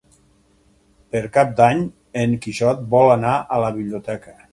Per Cap d'Any en Quixot vol anar a la biblioteca.